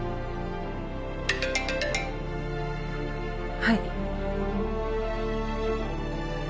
はい